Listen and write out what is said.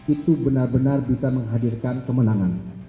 itu benar benar bisa menghadirkan kemenangan